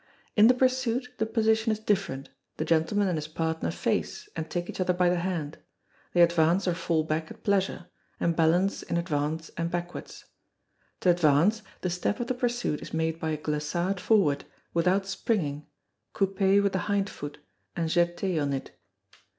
In the pursuit the position is different, the gentleman and his partner face, and take each other by the hand. They advance or fall back at pleasure, and balance in advance and backwards. To advance, the step of the pursuit is made by a glissade forward, without springing, coupé with the hind foot, and jeté on it.